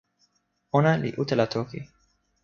ona li utala toki.